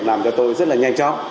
làm cho tôi rất là nhanh chóng